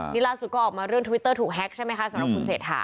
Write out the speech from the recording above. นี่ล่าสุดก็ออกมาเรื่องทวิตเตอร์ถูกแฮ็กใช่ไหมคะสำหรับคุณเศรษฐา